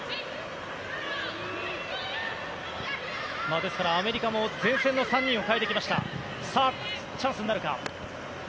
ですからアメリカも前線の３人を代えてきました。